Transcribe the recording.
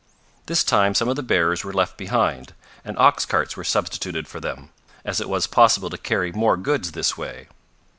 This time some of the bearers were left behind, and ox carts were substituted for them, as it was possible to carry more goods this way.